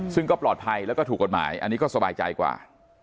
ซึ่งก็ปลอดภัยแล้วก็ถูกกฎหมายอันนี้ก็สบายใจกว่า